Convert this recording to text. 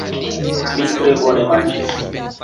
Mi tre bone manĝis.